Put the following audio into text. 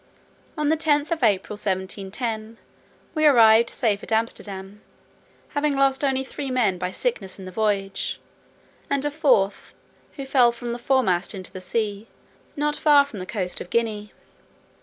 On the 10th of April, 1710, we arrived safe at Amsterdam, having lost only three men by sickness in the voyage, and a fourth, who fell from the foremast into the sea, not far from the coast of Guinea.